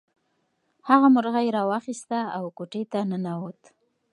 هغه مرغۍ راواخیسته او کوټې ته ننووت.